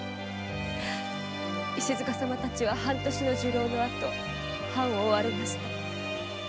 石塚様たちは半年の入牢の後藩を追われました。